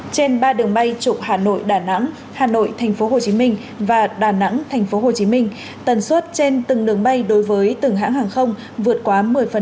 trên ba đường bay trụ hà nội đà nẵng hà nội tphcm và đà nẵng tphcm tần suất trên từng đường bay đối với từng hãng hàng không vượt quá một mươi